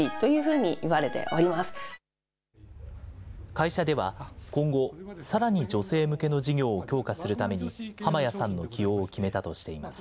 会社では、今後、さらに女性向けの事業を強化するために、濱屋さんの起用を決めたとしています。